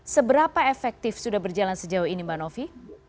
seberapa efektif sudah berjalan sejauh ini mbak novi